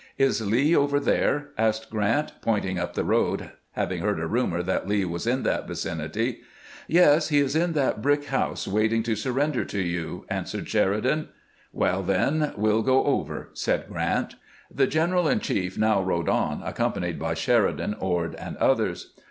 "Is Lee over there ?" asked Grant, pointing up the road, having heard a rumor that Lee was in that vicinity. " Yes ; he 470 CAMPAIGNING WITH GBANT is in tliat brick house, waiting to surrender to you," answered Sheridan. " Well, then, we 'H go over," said Grant. The general in chief now rode on, accompanied by Sheridan, Ord, and others.